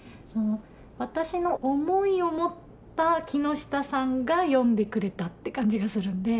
私の思いを持った木下さんが読んでくれたって感じがするんで。